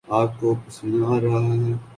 آپ کو پسینہ آرہا ہے